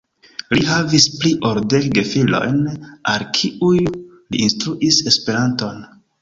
Li havis pli ol dek gefilojn al kiuj li instruis Esperanton.